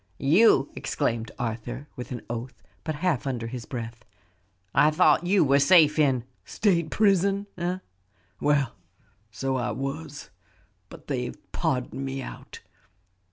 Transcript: "You!" exclaimed Arthur, with an oath, but half under his breath. "I thought you were safe in " "State prison, eh? Well, so I was, but they've pardoned me out.